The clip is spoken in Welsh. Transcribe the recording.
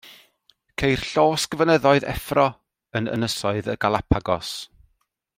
Ceir llosgfynyddoedd effro yn Ynysoedd y Galapagos.